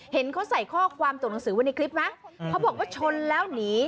เห็นเขาใส่ข้อความส่งหนังสือไว้ในคลิปไหมเขาบอกว่าชนแล้วหนี